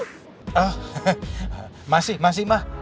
oh masih masih ma